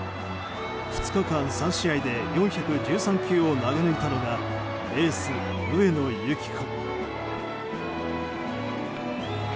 ２日間、３試合で４１３球を投げぬいたのがエース、上野由岐子。